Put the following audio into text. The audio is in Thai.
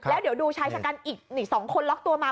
แล้วเดี๋ยวดูชายชะกันอีก๒คนล็อกตัวมา